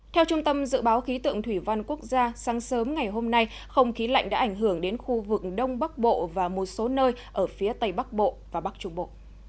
theo trung tâm dự báo khí tượng thủy văn quốc gia sáng sớm ngày hôm nay không khí lạnh đã ảnh hưởng đến khu vực đông bắc bộ và một số nơi ở phía tây bắc bộ và bắc trung bộ